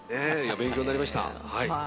勉強になりました。